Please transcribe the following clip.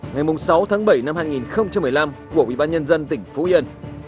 ngày sáu tháng bảy năm hai nghìn một mươi năm của quỹ bán nhân dân tỉnh phú yên